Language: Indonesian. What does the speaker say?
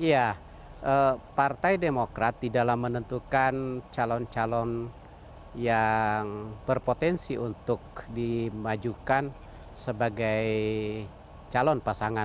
ya partai demokrat di dalam menentukan calon calon yang berpotensi untuk dimajukan sebagai calon pasangan